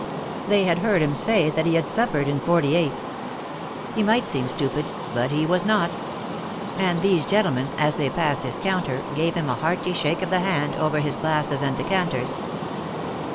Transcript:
They had heard him say that he had suffered in ^8. He might seem stupid, but he was not; and these gentlemen, as they passed his counter, gave him a hearty shake of the hand, over his glasses and decanters.